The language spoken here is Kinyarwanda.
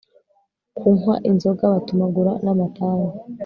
kunkwa inzoga batumagura namatabi